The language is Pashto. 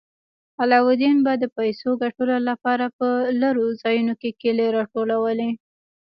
علاوالدین به د پیسو ګټلو لپاره په لیرې ځایونو کې کیلې راټولولې.